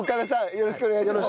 よろしくお願いします。